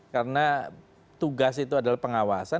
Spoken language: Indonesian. karena tugas itu adalah pengawasan